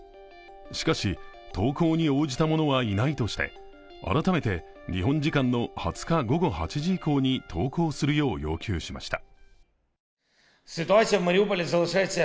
しかし、投降に応じたものはいないとして、改めて、日本時間の２０日午後８時以降に投降するよう要求しました。